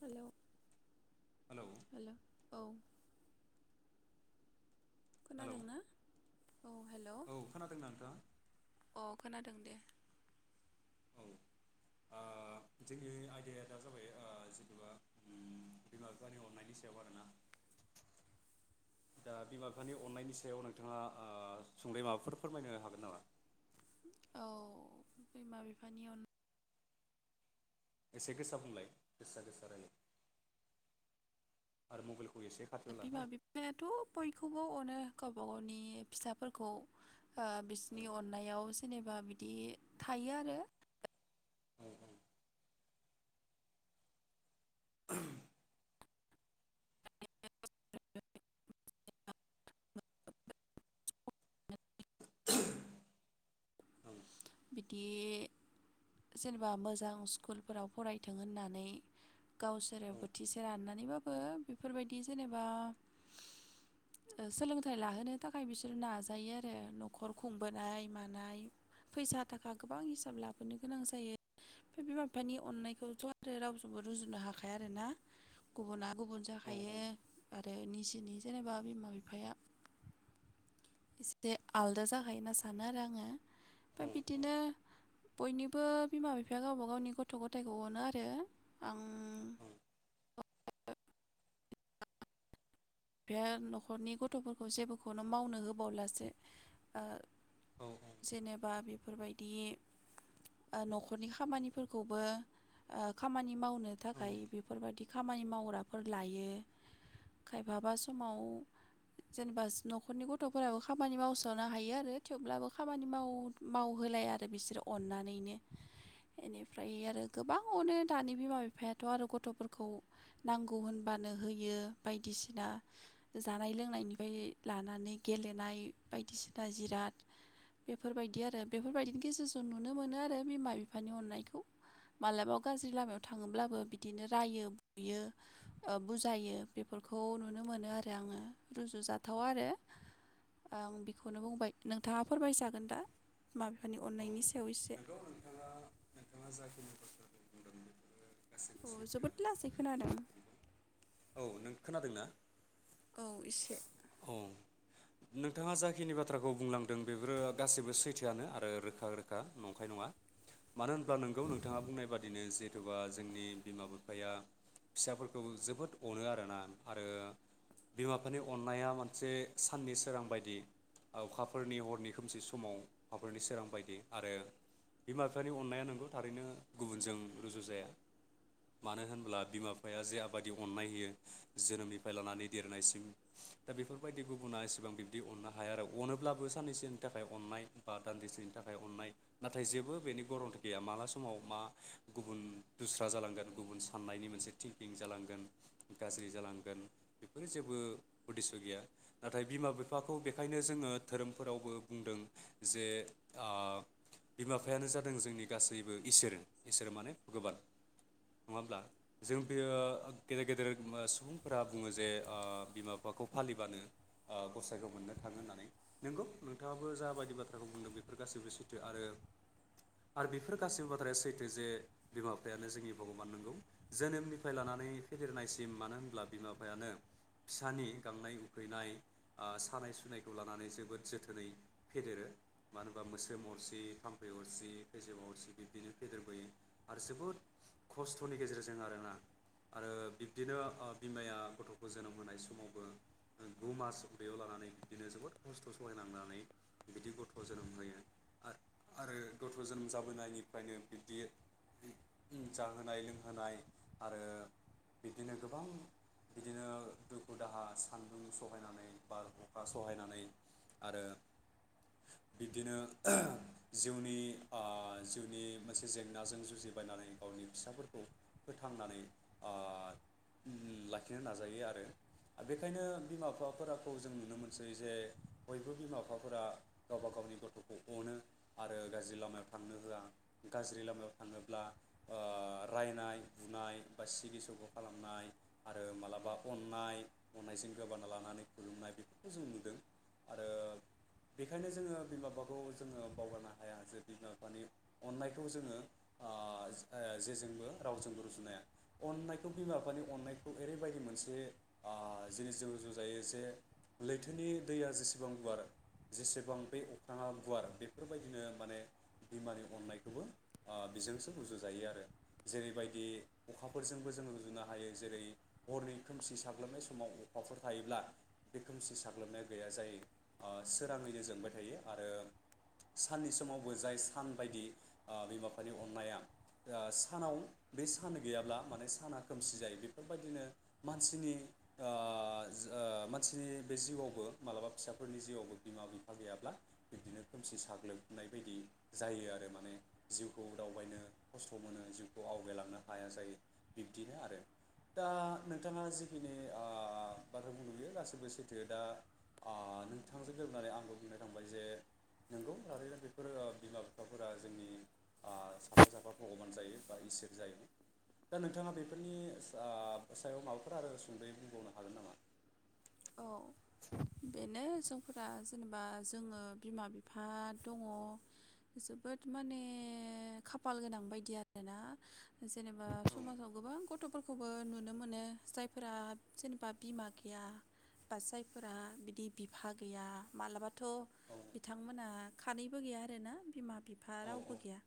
Hello hello औ hello खोनादोंना? औ हेलौ औ खोनादोंना नोंथाङा अ खोनादों दे औ ओ जोंनि आयदाया दा जाबाय ओ जेनबा बिमा बिफानि अननायनि सायाव आरोना दा बिमा बिफानि अननायनि सायाव नोंथाङा ओ सुदयै माबाफोर फोरमायनो हागोन नामा? औ बिमा बिफानि अन एसे गोसा बुंलाय गोसा गोसा रायलाय आरो मबाइलखौ एसे खाथियाव ला हो बिमा बिफायाथ बयखौबो अनो गावबा गावनि फिसाफोरखौ ओ औ बिसोरनि अननायाव जेनेबा बिदि थायो आरो औ बिदि जेनेबा मोजां स्कुलफोराव फरायथों होननानै गावसोर औ बोथिसे राननानैबाबो बेफोरबायदि जेनेबा सोलोंथाइ लाहोनो थाखाय बिसोर नाजायो आरो नखर खुंबोनाय मानाय फैसा थाखा गोबां हिसाब लाबोनो गोनां जायो बिमा बिफानि अननायखौथ आरो रावजोंबो रुजुनो हाखाया आरोना गुबुना गुबुन औ जाखायो आरो निजेनि जेनेबा बिमा बिफाया एसे आलदा जाखायो होनना सानो आरो आङो औ ओमफ्राय बिदिनो बयनिबो बिमा बिफाया गावबा गावनि गथ गथायाइखौ अनो आरो आं बिफाया नखरनि गथफोरखौ जेबोखौनो मावनो होबावलासो ओ औ जेनेबा बिब बेफोरबायदि ओ नखरनि खामानिफोरखौबो ओ खामानि माव नो औ थाखाय बेफोरबायदि खामानि मावग्राफोर लायो खाय माबा समाव जेनेबा नखरनि गथफोराबो खामानि मावसनो हायो आरो थेवब्लाबो खामानि माव मावहोलाया आरो बिसोरो अननानैनो एनिफ्राय आरो गोबां अनो दानि बिमा बिफायाथ आरो गथफोरखौ नांगौ होनबानो होयो बायदि दिसिना जानाय लोंनायनिफ्राय लानानै गेलेनाय बायदिसिना जिराद बेफोरबायदि आरो बेफोरबायदिनि गेजेरजों नुनो मोनो आरो बिमा बिफानि अननायखौ मालाबा गाज्रि लामायाव थाङोब्लाबो बिदिनो रायो बुयो बुजायो बे फोरखौ नुनो मोनो आरो आङो रुजुजाथावा आरो आं बेखौनो बुंबाय नोंथाङा फोरमायजागोन दा बिमा बिफानि अननायनि सायाव एसे नोंगौ नोंथाङा नोंथाङा जाखिनि बाथ्राखौ बुंदों बेफोर गासैबो अ जोबोद सैथोआनो लासैखोनादों खोनादों ना? औ इसे। औ नोंथाङा जाखिनि बाथ्राखौ बुंलांदों बेफोरो गासैबो सैथोआनो आरो रोखा रोखा नंखाय नङा मानो होनब्ला नोंगौ नोंथाङा बुंनाय बादिनो जिहेथुबा जोंनि बिमा बिफाया फिसाफोरखौ जोबोद अनो आरोना आरो बिमा बिफानि अन्नाया मोनसे साननि सोरां बायदि अखाफोरनि हरनि खोमसि समाव अखाफोरनि सोरां बायदि आरो बिमा बिफानि अननाया नंगौ थारैनो गुबुनजों रुजु जाया मानो होनोब्ला बिमा बिफाया जे आबादि अननाय होयो जोनोमनिफ्राय लानानै देरनायसिम। दा बेफोरबायदि गुबुना एसेबां बिब्दि अननो हाया आरो अनोब्लाबो साननैसोनि थाखाय अननाय बा दान्दिसेनि थाखाय अननाय नाथाय जेबो बेनि गरमथि गैया माला समाव मा गुबुन दुस्रा जालांगोन गुबुन साननायनि मोनसे थिंकिं जालांगोन गाज्रि जालांगोन बेफोरो जेबो उदेस्स गैया नाथाय बिमा बिफाखौ बेखायनो जोङो धोरोमफोरावबो बुंदों जे ओ बिमा बिफायानो जादों जोंनि गासैबो इसोर इसोर माने भगबान नङा होमब्ला जों बेयो गेदेर गेदेर सुबुंफोरा बुङो जे ओ बिमा फाखौ फालिबानो ओ गसाइखौ मोननो थाङो होननानै नंगौ नोंथाङाबो जाबायदि बाथ्राखौ बुंदों बेफोर गासैबो सैथो आरो आरो बेफोर गाैसैबो बाथ्राया सैथो जे बिमा बिफायानो जोंनि भगबान नोंगौ जोनोमनिफ्राय लानानै फेदेरनायसिम मानो होनब्ला बिमा बिफायानो फिसानि गांनाय उखैनाय ओ सानाय सुनायखौ लानानै जोबोद जोथोनै फेदेरो मानो होनबा मोस्रोम अरसि थाम्फै अरसि खैजोमा अरसि बिब्दिनो फेदेरबोयो आरो जोबोद खस्थनि गेजेरजों आरोना आरो बिब्दिनो बिमाया गथखौ जोनोम होनाय समावबो गु मास उदैयाव लानानै बिदिनो जोबोद खस्थ सहायनांनानै बिदि गथ जोनोम होयो आ आरो गथ जोनोम जाबोनायनिफ्रायनो बिब्दि जाहोनाय लोंहोनाय आरो बिब्दिनो गोबां बिदिनो दुखु दाहा सान्दुं सहायनानै बार अखा सहायनानै आरो बिब्दिनो जिउनि आ जिउनि मोनसे जेंनाजों जुजिबायनानै गावनि फिसाफोरखौ फोथांनानै ओ लाखिनो नाजायो आरो बेखायनो बिमा बिफाफोराखौ जों नुनो मोनसै जे बयबो बिमा बिफाफोरा गावबा गावनि गथखौ अनो आरो गाज्रि लामायाव थांनो होआ गाज्रि लामायाव थाङोब्ला ओ रायनाय बुनाय बा सिगि सग खालामनाय आरो मालाबा अननाय अननायजों गोबाना लानानै खुलुमनाय बेफोरखौ जों नुदों आरो बेखायनो जोङो बिमा बिफाखौ जोङो बावगारनो हाया जे बिमा बिफानि अननायखौ जोङो ओ जेजोंबो रावजोंबो रुजुनो हाया अननायखौ बिमा बिफानि अननायखौ ओरैबायदि मोनसे ओ जिनिस जों रुजुजायो जे लैथोनि दैया जेसेबां गुवार जेसेबां बे अख्राङा गुवार बेफोरबायदिनो माने बिमानि अननायखौबो ओ बेजोंसो रजुजायो आरो जेरैबायदि अखाफोरजोंबो जोङो रुजुनो हायो जेरै हरनि खोमसि साग्लोबनाय समाव आफाफोर थायोब्ला बे खोमसि साग्लोबनाया गैया जायो ओ सोराङैनो जोंबाय थायो आरो साननि समावबो जाय सान बायदि ओ बिमा बिफानि अननाया ओ सानाव बे सान गैयाब्ला माने साना खोमसि जायो बेफोरबायदिनो मानसिनि ओ ओ ज मानसिनि बे जिउआवबो मालाबा फिसाफोरनि जिउआवबो बिमा बिफा गैयाब्ला बिब्दिनो खोमसि साग्लोबनाय बायदि जायो आरो माने जिउखौ दावबायनो खस्थ मोनो जिउखौ आवगायलांनो हाया जायो बिब्दिनो आरो दा नोंथाङा जिखिनि ओ बाथ्रा बुंदों इयो गासैबो सैथो दा ओ नोंथांजों लोगोनानै आंबो बुंनो थांबाय जे नंगौ थारैनो बेफोर बिमा बिफाफोरा जोंनि ओ साफा साफा भगबान जायो बा इसोर जायो दा नोंथाङा बेफोरनि ओ सायाव माबाफोर आरो सुंद यै बुंबावनो हागोन नामा? औ बेनो जों फ्रा जेनेबा जोङो बिमा बिफा दङ जोबोद माने खाफाल गोनां बायदि आरोना। जेनेबा औ समाजाव गोबां गथ फोरखौबो नुनो मोनो जायफोरा जेनेबा बिमा गैया। बा जायफोरा बिदि बिफा गैया मालाबाथ औ बिथांमोना खानैबो गैया आरोना बिमा बिफा औ रावबो गैया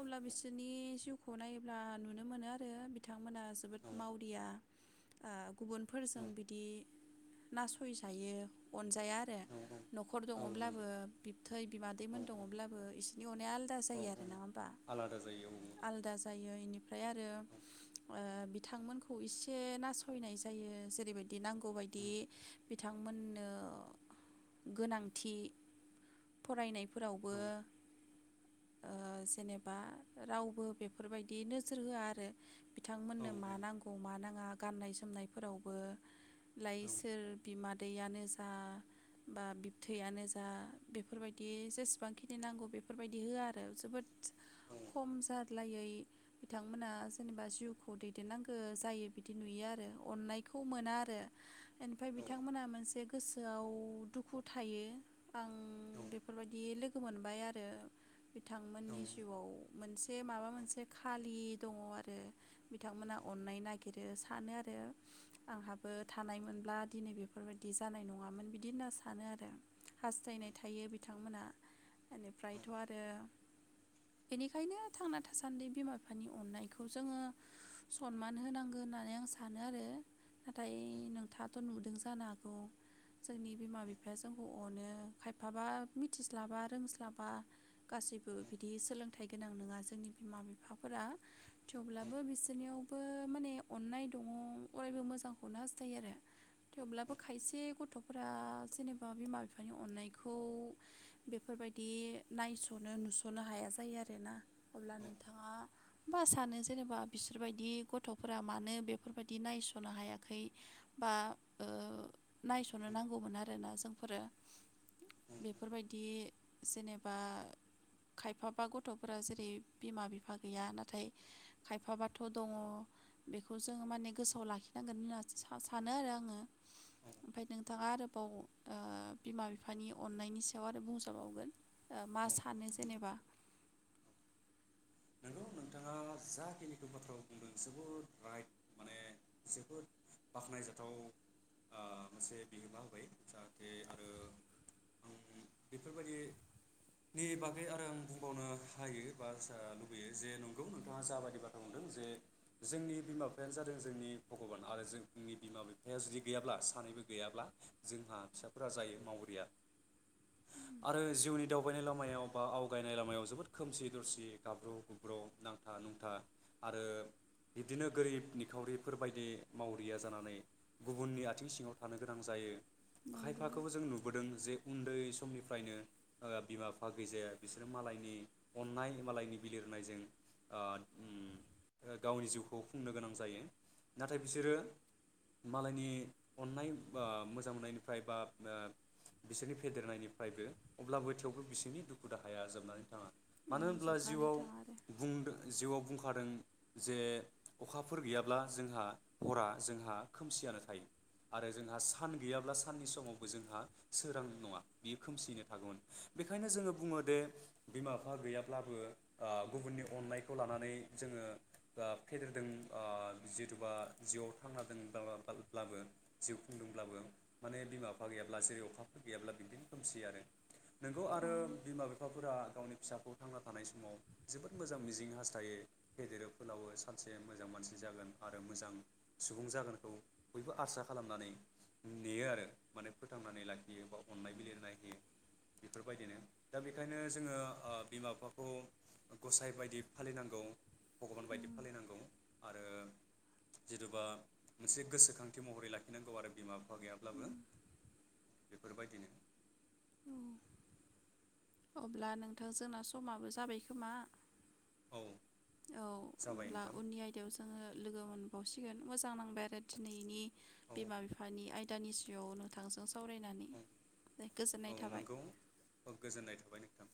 अब्ला बिसोरनि जिउखौ नायोब्ला नुनो मोनो आरो बिथांमोना जोबोद औ मावरिया ओ औ गुबुनफोरजों बिदि नासयजायो अनजाया आरो नंगौ नखर दङब्लाबो बिबथै औ बिमादैमोन दङब्लाबो इसिनि अनाया आलादा औ जायो आरो औ नङा होमबा आलादा जायो औ औ आलादा जायो इनि ओमफ्राय आरो औ ओ बिथांमोनखौ इसे नासयनाय जायो जेरैबायदि नांगौ बाय दि बिथांमोननो गोनांथि फरायनायफोरावबो औ ओ जेनेबा रावबो बेफोरबायदि नोजोर होआ आरो। बिथांमोननो मा औ नांगौ मा नाङा। गाननाय जोमनायफोरावबो लाइ सोर बिमा दैयानो जा बा बिबथैयानो जा बेफोरबायदि जेसेबांखिनि नांगौ बेफोरबायदि होआ आरो जोबोद खम जारलायै बिथांमोना जेनेबा जिउखौ दैदेन नांगौ जायो बिदि नुयो आरो अननायखौ मोना आरो। एनिफ्राय बिथांमोना मोनसे गोसोआव दुखु थायो आं बेफोरबायदि लोगो मोनबाय आरो औ औ बिथांमोननि जिउआव मोनसे माबा मोनसे खालि दङ आरो बिथांमोनहा अन्नाय नागिरो सानो आरो आंहाबो थानाय मोनब्ला दिनै बेफोरबायदि जानाय नङामोन बिदि होनना सानो आरो हास्थायनाय थायो बिथांमोना औ एनिफ्रायथ आरो बेनिखायनो थांना थासान्दि बिमा बिफानि अननायखौ जोङो सनमान होनांगौ होननानै आं सानो आरो नाथाय नोंथाङाथ नुदों जानो हागौ जोंनि बिमा बिफाया जोंखौ अनो खायफाबा मिथिस्लाबा रोंस्लाबा गासैबो बिदि सोलोंथाइ गोनां नङा जोंनि बिमा बिफाफोरा थेवब्लाबो बिसोरनियावबो माने अन्नाय दङ अरायबो मोजांखौनो हास थायो आरो थेवब्लाबो खायसे गथफोरा जेनेबा बिमा बिफानि अननायखौ बेफोरबायदि नायसनो नुसनो हाया जायो आरोना। अब्ला औ नोंथाङा। होमबा सानो जेनेबा बिसोरबायदि गथफोरा मानो बेफोरबायदि नायसनो हायाखै? बा ओ नायसनो नांगौमोन आरोना जोंफोरो बेफोरबायदि जेनेबा खायफाबा गथफोरा जेरै बिमा बिफा गैया नाथाय खायफाबाथ दङ बेखौ जोङो माने गोसोआव लाखिनांगोन होनना सानो आरो आङो ओमफ्राय नोंथाङा आरोबाव ओ बिमा बिफानि अननायनि सायाव आरो बुंजाबावगोन मा औ सानो जेनेबा? नोंगौ नोंथाङा जाखिनिखौ बाथ्रा बुंदों जोबोद राइट माने जोबोद बाख्नायजाथाव ओ मोनसे बिहोमा होबाय जाहाथे आरो आं बेफोरबायदिनि बागै आरो आं बुंबावनो हायो बा लुबैयो जे नंगौ नोंथाङा जाबायदि बाथ्रा बुंदों जे जोंनि बिमा बिफायानो जादों जोंनि भगबान आरो जोंनि बिमा बिफाया जुदि गैयाब्ला सानैबो गैयाब्ला जोंहा फिसाफोरा जायो मावरिया आरो जिउनि दावबायनाय लामायाव बा आवगायनाय लामायाव जोबोद खोमसि दरसि गाब्रु गुबब्र नांथा नुंथा आरो बिबदिनो गोरिब निखावरिफोरबायायदि मावरिया जानानै गुबुननि आथिं सिङाव थानो गोनां जायो। नंगौ खायफाखौबो जों नुबोदों जे उन्दै समनिफ्रायनो ओ बिमा बिफा गैजाया बिसोरो मालायनि अननाय मालायनि बिलिर नाय जों ओ गावनि जिउखौ खुंनो गोनां जायो नाथाय बिसोरो मालायनि अननाय ओ मोजां मोननायनिफ्राय बा ओ बिसोरनि फेदेरनायनिफ्रायबो अब्लाबो थेवबो बिसोरनि दुखु दाहाया जोबनानै थाङा। औ मानो होनब्ला जोबनानै जिउआव थाङा आरो बुंदों जिउआव बुंखादों जे अखाफोर गैयाब्ला जोंहा हरा जोंहा खोमसियानो थायो आरो जोंहा सान गैयाब्ला साननि समावबो जोंहा सोरां नङा बियो खोमसियैनो थागौमोन बेखायनो जोङो बुङो दि बिमा बिफा गैयाब्लाबो ओ गुबुननि अननायखौ लानानै जोङो ओ फेदेरदों ओ जिथुबा जिउआव थांना ब्ला ब्ला ब्लाबो जिउ खुंदोंब्लाबो माने बिमा बिफा गैयाब्ला जेरै अखाफोर गैयाब्ला बिदिनो खोमसि आरो। नोंगौ औ आरो बिमा बिफाफोरा गावनि फिसाखौ थांना थानाय समाव जोबोद मोजां मिजिं हास्थायो फेदेरो फोलावो सानसे मोजां मानसि जागोन आरो मोजां सुबुं जागोनखौ बयबो आसा खालामनानै नेयो आरो माने फोथांनानै लाखियो बा अन्नाय बिलिरनाय होयो बेफोरबायदिनो दा बेखायनो जोङो ओ बिमा बिफाखौ गसाइ बायदि फालिनांगौ। भगबान बायदि फालिनांगौ। आरो जिथुबा मोनसे गोसोखांथि महरै लाखिनांगौ आरो बिमा बिफ बिफा गैयाब्लाबो औ बेफोरबायदिनो उम। अब्ला नोंथां जोंना समाबो जाबाय खोमा? औ औ जाबाय होमब्ला नोंथां उननि आयदायावसो जोङो लोगो मोनबावसिगोन मोजां नांबाय आरो दिनैनि औ बिमा बिफानि आयदानि सायाव नोंथांजों सावरायनानै औ गोजोननाय थाबाय। नंगौ औ गोजोननाय थाबाय नोंथां।